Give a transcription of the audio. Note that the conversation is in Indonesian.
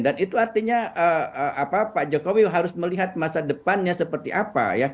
dan itu artinya pak jokowi harus melihat masa depannya seperti apa